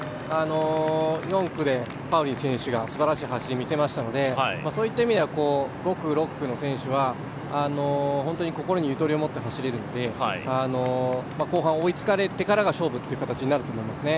４区でパウリン選手がすばらしい走りを見せましたのでそういった意味では、５区、６区の選手は心にゆとりをもって走れるので、後半、追いつかれてからが勝負という形になると思いますね。